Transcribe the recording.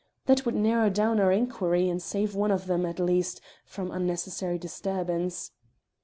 That would narrow down our inquiry and save one of them, at least, from unnecessary disturbance."